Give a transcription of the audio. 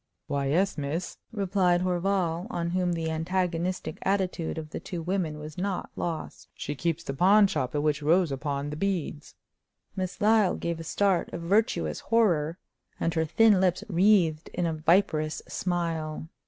"Why, yes, miss," replied Horval, on whom the antagonistic attitude of the two women was not lost. "She keeps the pawn shop at which Rosa pawned the beads!" Miss Lyle gave a start of virtuous horror, and her thin lips wreathed in a viperous smile.